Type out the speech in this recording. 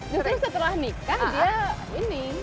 justru setelah nikah dia ini